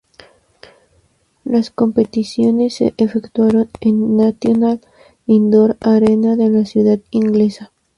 Las competiciones se efectuaron en el National Indoor Arena de la ciudad inglesa.